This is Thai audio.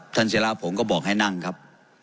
ท่านสิระผมก็บอกให้นั่งครับ